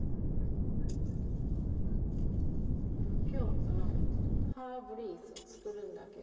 きょうはハーブリースを作るんだけど。